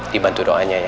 dibantu doanya ya